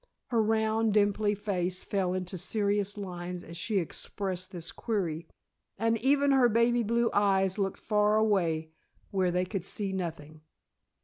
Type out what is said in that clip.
Her round, dimpily face fell into serious lines as she expressed this query, and even her baby blue eyes looked far away where they could see nothing.